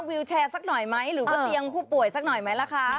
วิวแชร์สักหน่อยไหมหรือว่าเตียงผู้ป่วยสักหน่อยไหมล่ะคะ